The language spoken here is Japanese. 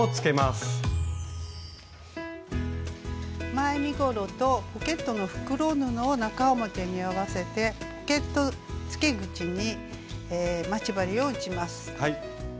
前身ごろとポケットの袋布を中表に合わせてポケットつけ口に待ち針を打ちます。